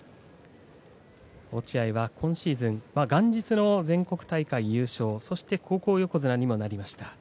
落合が今シーズン元日の全国大会優勝、そして高校横綱にもなりました。